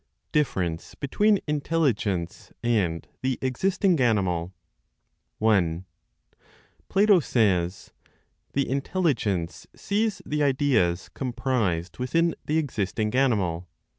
DIFFERENCE BETWEEN INTELLIGENCE AND THE EXISTING ANIMAL. 1. Plato says, "The intelligence sees the ideas comprised within the existing animal."